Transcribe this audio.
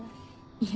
いえ。